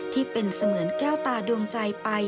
ที่เป็นเสมือนแก้วตาดวงใจไป